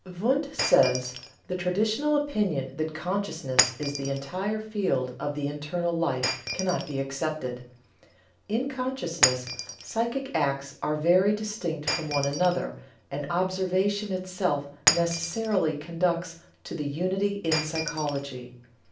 Wundt says: "The traditional opinion that consciousness is the entire field of the internal life cannot be accepted. In consciousness, psychic acts are very distinct from one another, and observation itself necessarily conducts to unity in psychology.